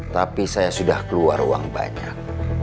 tapi saya sudah keluar uang banyak